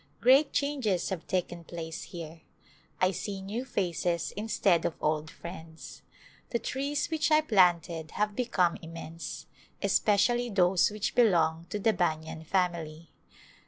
Great changes have taken place here. I see new faces instead of old friends. The trees which I planted have become immense, especially those which belong to the banyan family.